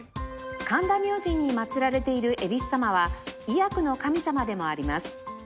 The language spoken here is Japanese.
神田明神に祭られているえびす様は医薬の神様でもあります